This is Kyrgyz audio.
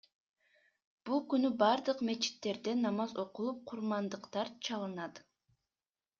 Бул күнү бардык мечиттерде намаз окулуп, курмандыктар чалынат.